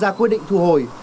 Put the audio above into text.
ra quy định thu hồi